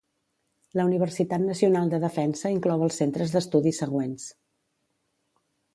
La Universitat Nacional de Defensa inclou els centres d'estudi següents.